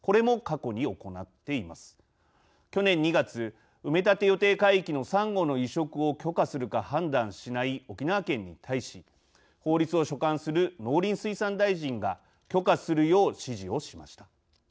去年２月埋め立て予定海域のサンゴの移植を許可するか判断しない沖縄県に対し法律を所管する農林水産大臣が許可するよう指示をしました。